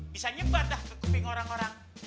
bisa nyebar dah ke kuping orang orang